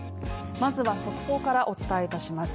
まずは速報からお伝えいたします。